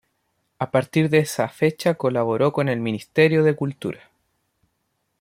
A partir de esa fecha colaboró con el Ministerio de Cultura.